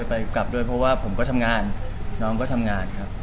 ไปกลับด้วยเพราะว่าผมก็ทำงานน้องก็ทำงานครับ